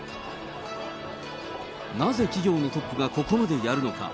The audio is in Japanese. なぜ企業のトップがここまでやるのか。